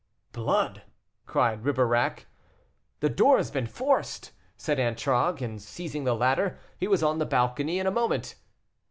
"Blood!" cried Ribeirac. "The door has been forced," said Antragues; and seizing the ladder, he was on the balcony in a moment.